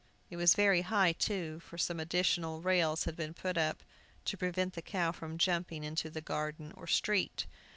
It was very high, too, for some additional rails had been put on to prevent the cow from jumping into the garden or street.